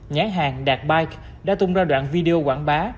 nhãn hàng đạt bike đã tung ra đoạn video quảng bá